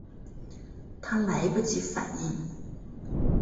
她来不及反应